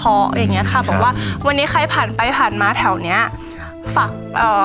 เพราะอะไรอย่างเงี้ยค่ะบอกว่าวันนี้ใครผ่านไปผ่านมาแถวเนี้ยฝากเอ่อ